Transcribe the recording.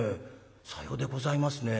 「さようでございますね。